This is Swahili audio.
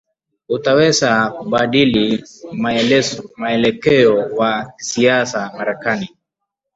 utaweza kubadili muelekeo wa kisiasa Marekani